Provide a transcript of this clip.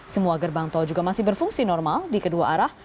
semua gerbang tol juga masih berfungsi normal di kedua arah